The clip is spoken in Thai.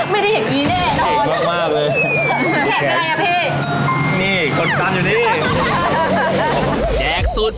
ไม่ได้หยั่งดีแน่บ้างมากมากเลยแก่อะไรอะพี่นี่กดตั้งอยู่นี้